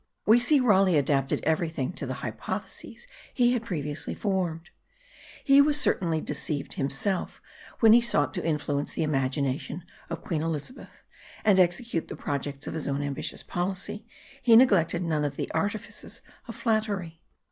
We see Raleigh adapted everything to the hypotheses he had previously formed. He was certainly deceived himself; but when he sought to influence the imagination of queen Elizabeth, and execute the projects of his own ambitious policy, he neglected none of the artifices of flattery.